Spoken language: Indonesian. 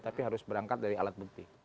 tapi harus berangkat dari alat bukti